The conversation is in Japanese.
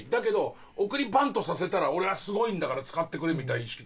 だけど送りバントさせたら俺はすごいんだから使ってくれみたいな意識とか。